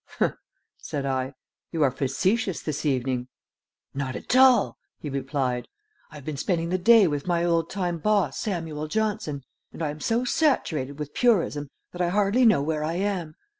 "Humph!" said I. "You are facetious this evening." "Not at all," he replied. "I have been spending the day with my old time boss, Samuel Johnson, and I am so saturated with purism that I hardly know where I am.